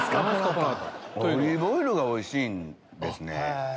オリーブオイルがおいしいんですね。